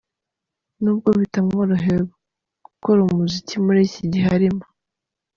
Nubwo bitamworoheye gukora umuziki muri iki gihe arimo.